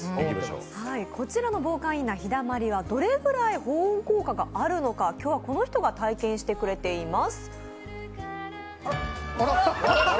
こちらの防寒インナーひだまりはどれくらい防寒効果があるのか、今日はこの人が体験してくれています。